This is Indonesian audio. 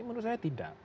menurut saya tidak